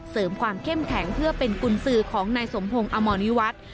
เสริมความเข้มแข็งเพื่อเป็นกุญสือของนายสมพงศ์อมรณิวัฒน์